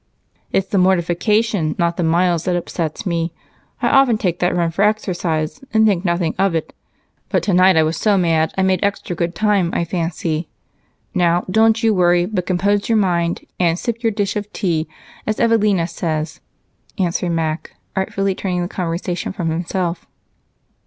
"It's the mortification, not the miles, that upsets me. I often take that run for exercise and think nothing of it but tonight I was so mad I made extra good time, I fancy. Now don't you worry, but compose your mind and 'sip your dish of tea,' as Evelina says," answered Mac, artfully turning the conversation from himself.